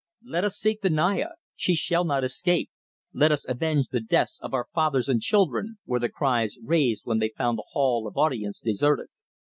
"Let us seek the Naya! She shall not escape! Let us avenge the deaths of our fathers and children!" were the cries raised when they found the Hall of Audience deserted.